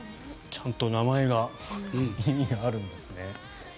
ちゃんと名前が意味があるんですね。